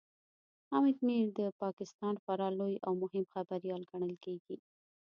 حامد میر د پاکستان خورا لوی او مهم خبريال ګڼل کېږي